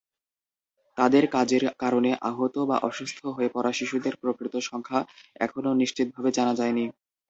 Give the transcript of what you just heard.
তাদের কাজের কারণে আহত বা অসুস্থ হয়ে পড়া শিশুদের প্রকৃত সংখ্যা এখনও নিশ্চিতভাবে জানা যায়নি।